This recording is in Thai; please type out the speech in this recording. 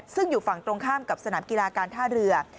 ซึ่งอยู่ฝั่งตรงข้ามกับสนามกีฬาการท่าเรือ